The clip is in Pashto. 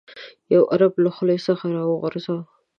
یو عرب له خولې څخه راوغورځاوه.